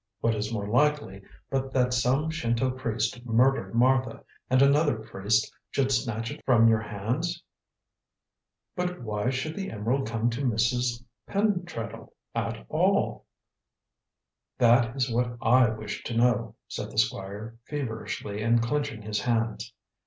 What is more likely but that some Shinto priest murdered Martha and another priest should snatch it from your hands?" "But why should the emerald come to Mrs. Pentreddle at all?" "That is what I wish to know," said the Squire, feverishly and clenching his hands.